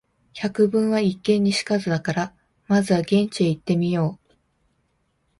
「百聞は一見に如かず」だから、まずは現地へ行ってみよう。